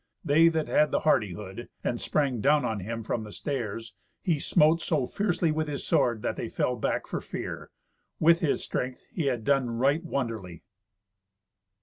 They that had the hardihood, and sprang down on him from the stairs, he smote so fiercely with his sword that they fell back for fear. With his strength he had done right wonderly.